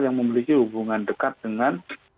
yang memiliki hubungan dekat dengan